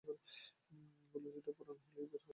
এগুলো কিছুটা পুরোনো হলে বের করে করাতকলে নিয়ে চেরাই করা হয়।